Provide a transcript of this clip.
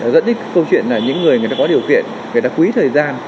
dẫn đến câu chuyện là những người có điều kiện người ta quý thời gian